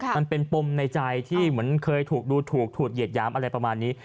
ปมในใจที่เหมือนเคยถูกดูถูกถูกเหยียดหยามอะไรประมาณนี้